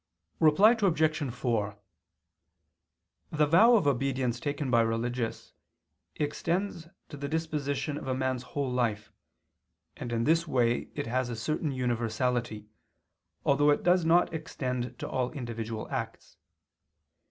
Reply Obj. 4: The vow of obedience taken by religious, extends to the disposition of a man's whole life, and in this way it has a certain universality, although it does not extend to all individual acts.